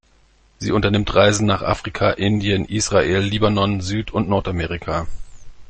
Sie unternimmt Reisen nach Afrika, Indien, Israel, Libanon, Süd- und Nordamerika.